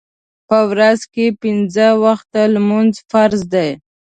په ورځ کې پنځه وخته لمونځ فرض دی